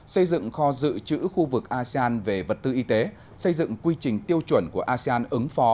xây dựng kho dự trữ khu vực asean về vật tư y tế xây dựng quy trình tiêu chuẩn của asean ứng phó